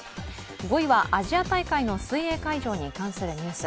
５位はアジア大会の水泳会場に関するニュース。